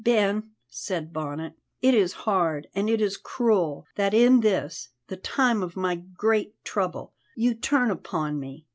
"Ben," said Bonnet, "it is hard and it is cruel, that in this, the time of my great trouble, you turn upon me.